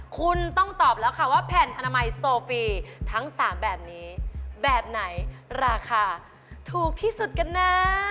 คุณต้องตอบแล้วค่ะว่าแผ่นอนามัยโซฟีทั้ง๓แบบนี้แบบไหนราคาถูกที่สุดกันนะ